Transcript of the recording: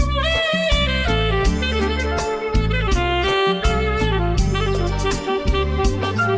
ใครเนื้อท่า